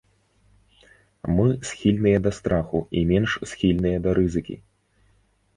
Мы схільныя да страху і менш схільныя да рызыкі.